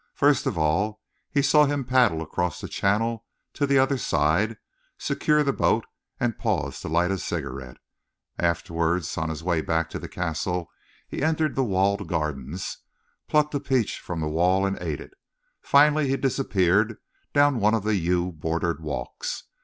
First of all he saw him paddle across the channel to the other side, secure the boat and pause to light a cigarette. Afterwards, on his way back to the Castle, he entered the walled gardens, plucked a peach from the wall and ate it. Finally he disappeared down one of the yew bordered walks.